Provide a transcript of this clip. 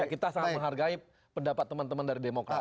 kita sangat menghargai pendapat teman teman dari demokrat